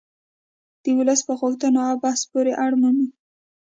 د ولس په غوښتنو او بحث پورې اړه مومي